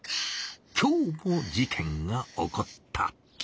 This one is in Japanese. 今日も事件が起こった。